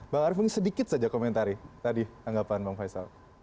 baru sedikit saja komentari tadi anggapan bang faisal